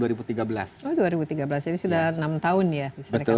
oh dua ribu tiga belas ini sudah enam tahun ya